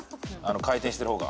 回転してる方が？